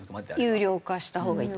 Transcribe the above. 有料化したほうがいいと。